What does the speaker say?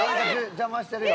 「邪魔してるよ」